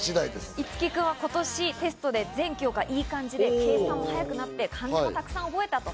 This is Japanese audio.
いつきくんは今年テストで全教科いい感じで、計算も早くなって漢字もたくさん覚えたと。